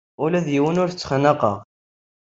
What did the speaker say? Ula d yiwen ur t-xennqeɣ.